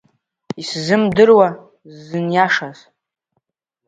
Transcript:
Исзымдыруа сзыниашаз…